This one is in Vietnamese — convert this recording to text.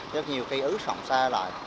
rất nhiều cây ứ sọng xa lại